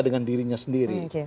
dengan dirinya sendiri